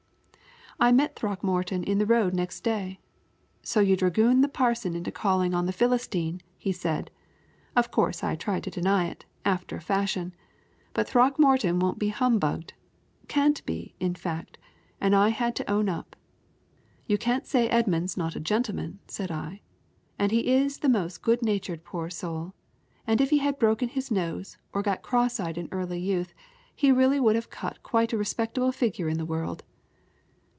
"I met Throckmorton in the road next day. 'So you dragooned the parson into calling on the Philistine,' he said. Of course I tried to deny it, after a fashion; but Throckmorton won't be humbugged can't be, in fact and I had to own up. 'You can't say Edmund's not a gentleman,' said I, 'and he is the most good natured poor soul; and if he had broken his nose, or got cross eyed in early youth, he really would have cut quite a respectable figure in the world.'